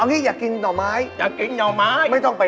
ปวดลูกทางไหนปวดอะ